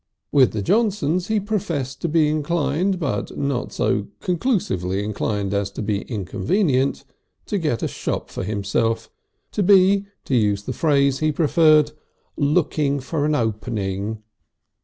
With the Johnsons he professed to be inclined, but not so conclusively inclined as to be inconvenient, to get a shop for himself, to be, to use the phrase he preferred, "looking for an opening."